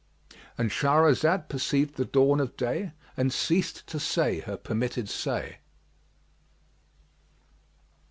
"—And Shahrazad perceived the dawn of day and ceased to say her permitted say.